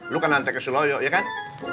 lo kan nantek ke sulawesi ya kan